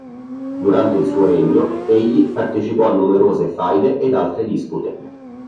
Durante il suo regno egli partecipò a numerose faide ed altre dispute.